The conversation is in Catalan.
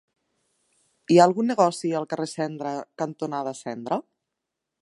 Hi ha algun negoci al carrer Cendra cantonada Cendra?